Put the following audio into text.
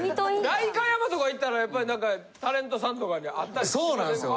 代官山とか行ったらやっぱり何かタレントさんとかに会ったりしませんか？